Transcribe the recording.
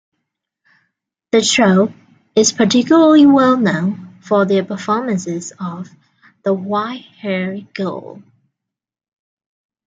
The troupe is particularly well known for their performances of "The White Haired Girl".